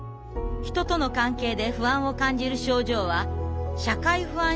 人との関係で不安を感じる症状は社会不安